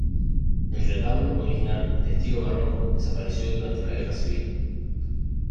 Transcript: El retablo original de estilo barroco, desapareció durante la Guerra Civil.